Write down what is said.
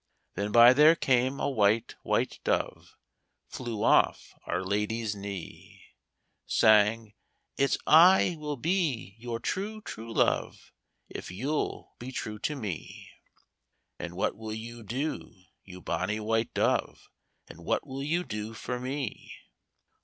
Then by there came a white, white dove, Flew off Our Lady's knee; Sang 'It's I will be your true, true love, If you'll be true to me.' 'And what will you do, you bonny white dove? And what will you do for me?'